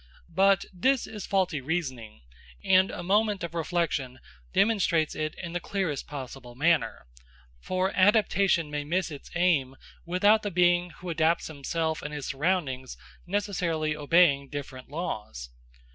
But this is faulty reasoning, and a moment of reflection demonstrates it in the clearest possible manner; for adaptation may miss its aim without the being who adapts himself and his surroundings necessarily obeying different laws.